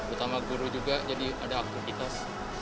utama guru juga jadi ada aktivitas